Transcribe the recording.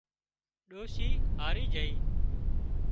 ڏوشِي هاري جھئي